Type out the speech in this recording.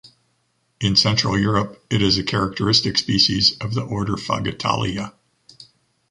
In Central Europe, it is a characteristic species of the order Fagetalia.